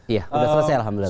iya sudah selesai alhamdulillah